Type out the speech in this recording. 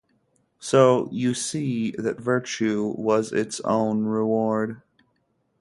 So you see that virtue was its own reward.